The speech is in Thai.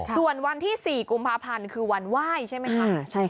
ส่วนวันที่๔กรุงภาพนั่นคือวันว่ายใช่ไหมคะ